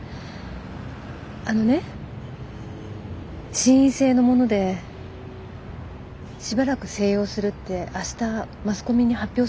あのね心因性のものでしばらく静養するって明日マスコミに発表することにしたの。